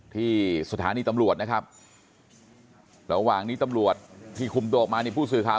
ที่สถานีตำรวจนะครับระหว่างนี้ตำรวจที่คุมตัวออกมานี่ผู้สื่อข่าว